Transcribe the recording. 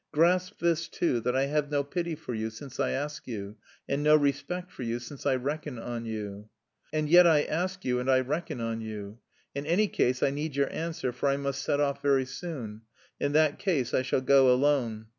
Grasp this, too, that I have no pity for you since I ask you, and no respect for you since I reckon on you. And yet I ask you and I reckon on you. In any case I need your answer for I must set off very soon. In that case I shall go alone.